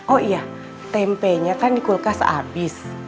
oh iya tempenya kan di kulkas habis